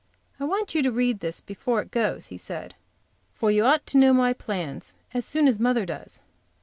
"I want you to read this before it goes," he said, "for you ought to know my plans as soon as mother does."